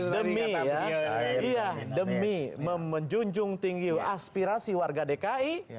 demi ya demi menjunjung tinggi aspirasi warga dki